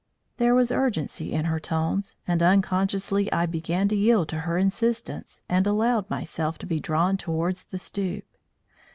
There was urgency in her tones, and unconsciously I began to yield to her insistence, and allow myself to be drawn towards the stoop.